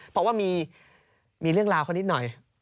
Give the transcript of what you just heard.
เพราะว่ามีเรื่องราวเขานิดหน่อย